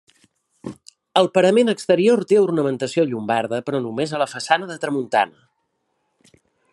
Al parament exterior té ornamentació llombarda però només a la façana de tramuntana.